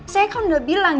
saya kan udah bilang